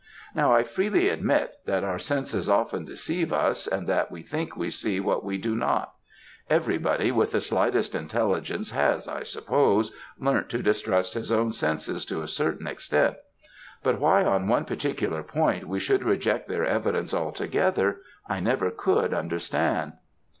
Now I freely admit, that our senses often deceive us, and that we think we see what we do not; every body with the slightest intelligence has, I suppose, learnt to distrust his own senses to a certain extent; but why on one particular point we should reject their evidence altogether, I never could understand."